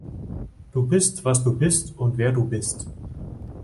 Du bist, was du bist und wer du bist.